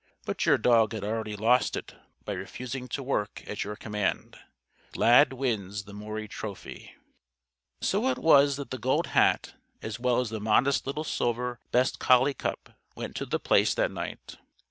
But your dog had already lost it by refusing to 'work' at your command. Lad wins the Maury Trophy." So it was that the Gold Hat, as well as the modest little silver "Best Collie" cup, went to The Place that night.